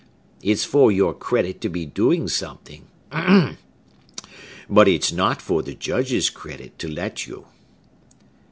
It's for your credit to be doing something, but it's not for the Judge's credit to let you!"